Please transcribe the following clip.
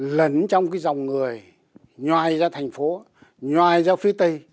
lấn trong cái dòng người nhoai ra thành phố nhoai ra phía tây